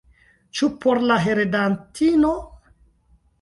Ĉu por la heredantino?